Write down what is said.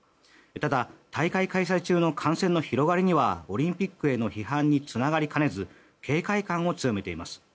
ただ、大会開催中の感染の広がりにはオリンピックへの批判につながりかねず警戒感を強めています。